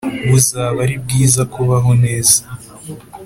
Buzaba ari bwiza kubaho neza